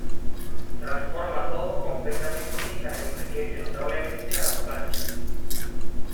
Transforma todo completamente y las enriquece notablemente a las planchas.